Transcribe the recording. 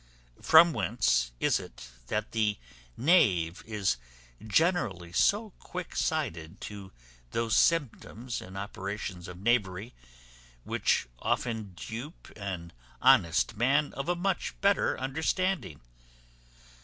From whence is it that the knave is generally so quick sighted to those symptoms and operations of knavery, which often dupe an honest man of a much better understanding?